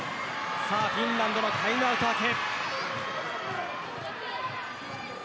フィンランドのタイムアウト明け。